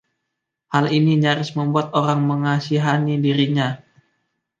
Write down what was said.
Hal ini nyaris membuat orang mengasihani dirinya.